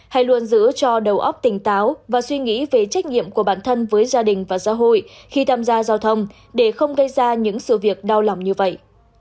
hãy luôn giữ cho đầu óc tỉnh táo và suy nghĩ về trách nhiệm của bản thân với gia đình và xã hội khi tham gia giao thông để không gây ra những sự việc đau lòng như vậy